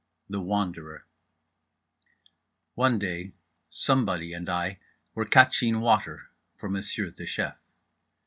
THE WANDERER One day somebody and I were "catching water" for Monsieur the Chef.